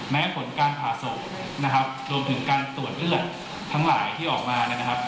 แม้ผลการผ่าโศกรวมถึงการตรวจเลือดทั้งหลายที่ออกมา